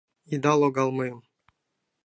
Ида логал мыйым!